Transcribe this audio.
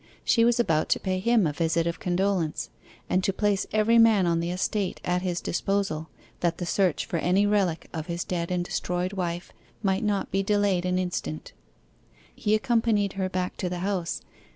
She was about to pay him a visit of condolence, and to place every man on the estate at his disposal, that the search for any relic of his dead and destroyed wife might not be delayed an instant. He accompanied her back to the house.